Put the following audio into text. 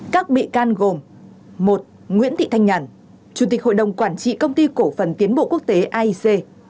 các bị can gồm một nguyễn thị thanh nhàn chủ tịch hội đồng quản trị công ty cổ phần tiến bộ quốc tế aic